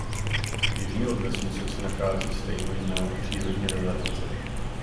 Jižně od vesnice se nachází stejnojmenná přírodní rezervace.